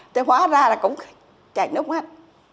thế hóa ra là cũng chạy nước mắt